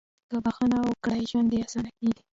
• که بښنه وکړې، ژوند دې اسانه کېږي.